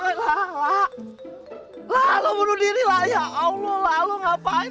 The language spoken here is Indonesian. elah lo bunuh diri lah ya allah elah lo ngapain